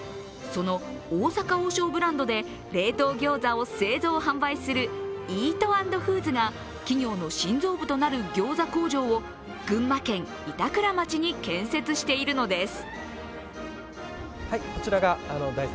その大阪王将ブランドで冷凍ギョーザを製造、販売するイートアンドフーズが企業の心臓部となるギョーザ工場を群馬県板倉町に建設しているのです。